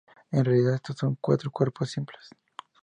En realidad estos son cuatro cuerpos simples.